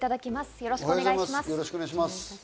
よろしくお願いします。